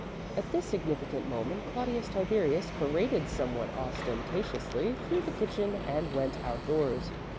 At this significant moment, Claudius Tiberius paraded somewhat ostentatiously through the kitchen and went outdoors.